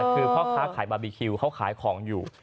คือพ่อค้าขายบาร์บีคิวเขาขายของอยู่